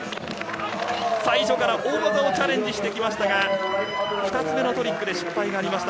最初から大技にチャレンジしてきましたが、２つ目のトリックで失敗しました。